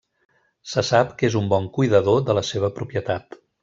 Se sap que és un bon cuidador de la seva propietat.